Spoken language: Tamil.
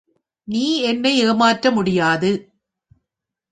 நீ என்னை ஏமாற்ற முடியாது.